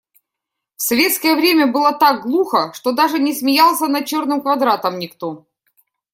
В советское время было так глухо, что даже не смеялся над «Черным квадратом» никто.